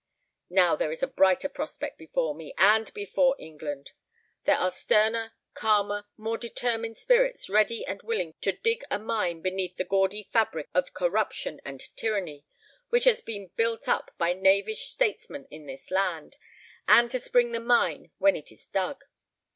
Now there is a brighter prospect before me and before England. There are sterner, calmer, more determined spirits, ready and willing to dig a mine beneath the gaudy fabric of corruption and tyranny, which has been built up by knavish statesmen in this land, and to spring the mine when it is dug.